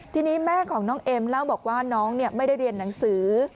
ทีนี้แม่ของน้องเอ็มเล่าบอกว่าน้องไม่ได้เรียนหนังสือ